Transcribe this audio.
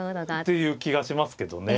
ていう気がしますけどね。